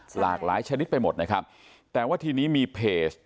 หลากหลายชนิดไปหมดนะครับแต่ว่าทีนี้มีเพจ